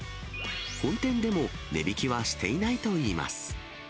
本店でも値引きはしていないといいます。